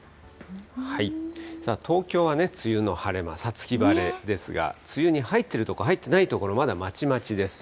東京は梅雨の晴れ間、五月晴れですが、梅雨に入っている所、入っていない所、まだまちまちです。